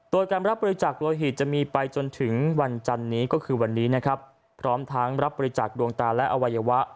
ตรวจการรับบริจักษ์โลหิตจะมีไปจนถึงวันจันนี้พร้อมทั้งรับบริจักษ์ดวงตาและอวัยวะ